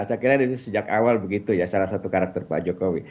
saya kira ini sejak awal begitu ya salah satu karakter pak jokowi